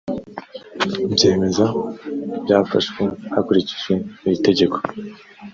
byemezo byafashwe hakurikijwe iri tegeko